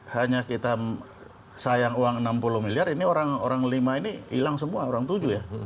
hanya kita sayang uang enam puluh miliar ini orang lima ini hilang semua orang tujuh ya